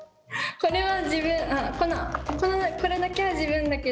これは自分。